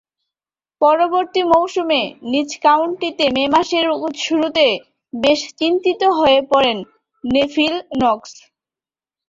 পরবর্তী মৌসুমে নিজ কাউন্টিতে মে মাসের শুরুতে বেশ চিহ্নিত হয়ে পড়েন নেভিল নক্স।